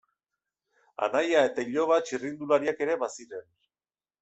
Anaia eta iloba txirrindulariak ere baziren.